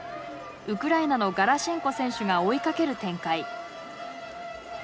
ウクライナのガラシェンコ選手が追いかける展開。